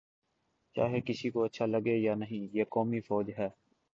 چاہے کسی کو اچھا لگے یا نہیں، یہ قومی فوج ہے۔